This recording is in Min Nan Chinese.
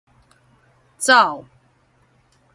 走